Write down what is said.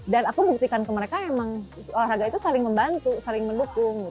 dan aku buktikan ke mereka emang olahraga itu saling membantu saling mendukung